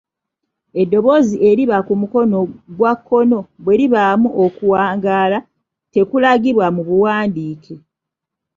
Eddoboozi eriba ku mukono gwa kkono bwe libeeramu okuwangaala tekulagibwa mu buwandiike.